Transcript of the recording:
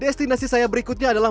destinasi saya berikutnya adalah